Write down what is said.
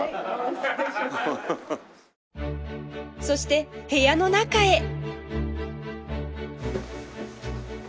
そして部屋の中へ